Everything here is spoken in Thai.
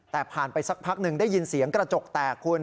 แต่ผ่านไปสักพักหนึ่งได้ยินเสียงกระจกแตกคุณ